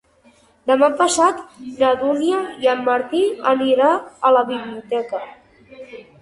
Demà passat na Dúnia i en Martí aniré a la biblioteca.